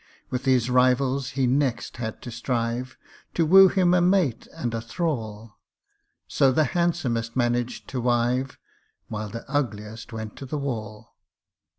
With his rivals he next had to strive, To woo him a mate and a thrall ; So the handsomest managed to wive, While the ugliest went to the wall.